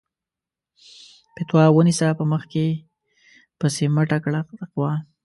فَتوا ونيسه په مخ کې پسې مٔټه کړه تقوا